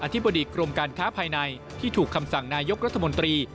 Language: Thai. ธิบดีกรมการค้าภายในที่ถูกคำสั่งนายกรัฐมนตรี